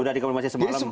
sudah dikonfirmasi semalam